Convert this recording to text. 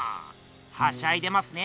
はしゃいでますね。